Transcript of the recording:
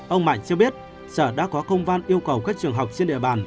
ông mạnh cho biết sở đã có công văn yêu cầu các trường học trên địa bàn